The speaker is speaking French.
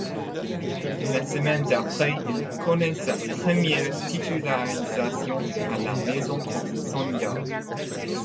La semaine d'après, il connaît sa première titularisation à la maison contre Sogndal.